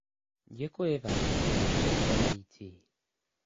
Děkují vám, paní předsedající.